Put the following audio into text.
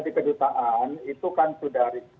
misalnya sistem mengada di kedutang